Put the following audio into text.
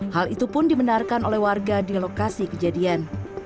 hal itu pun dibenarkan oleh warga di lokasi kejadian